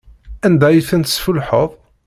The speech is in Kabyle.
Anda ay ten-tesfullḥeḍ?